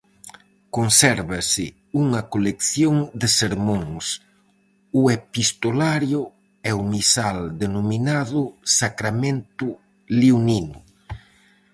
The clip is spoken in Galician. Consérvase unha colección de sermóns, o epistolario e o misal denominado Sacramento leonino.